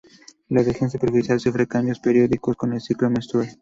La región superficial sufre cambios periódicos con el ciclo menstrual.